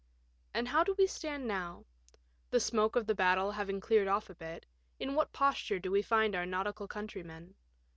And how do we stand now ? The smoke of the battle having cleared off a bit, in what posture do we find our nautical countrymen?